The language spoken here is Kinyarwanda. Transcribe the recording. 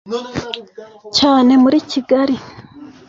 cyane muri Kigali